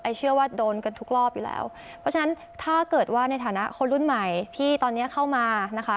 เชื่อว่าโดนกันทุกรอบอยู่แล้วเพราะฉะนั้นถ้าเกิดว่าในฐานะคนรุ่นใหม่ที่ตอนเนี้ยเข้ามานะคะ